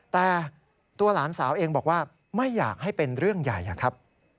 แต่ตัวหลานสาวเองบอกว่าไม่อยากให้เป็นเรื่องใหญ่ครับ